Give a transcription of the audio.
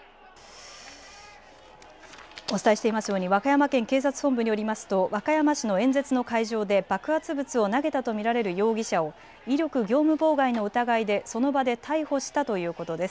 お伝えしていますように和歌山市の演説の会場で爆発物を投げたと見られる容疑者を威力業務妨害の疑いでその場で逮捕したということです。